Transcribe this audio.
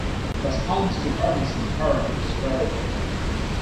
Response to prednisone therapy is variable.